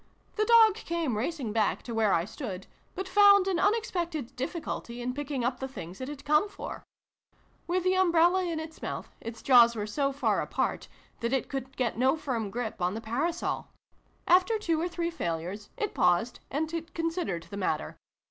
The dog came racing back to where I stood, but found an unexpected difficulty in picking 'up the things it had come for. With the umbrella in its mouth, its jaws were so far apart that it could get no firm grip on the parasol. After two or three failures, it paused and considered the matter.